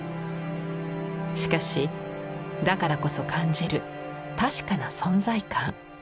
しかしだからこそ感じる確かな存在感。